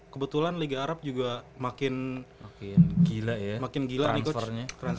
kebetulan liga arab juga makin gila nih coach